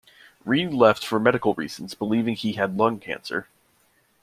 Reid left for medical reasons, believing he had lung cancer.